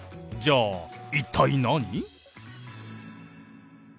じゃあ一体何？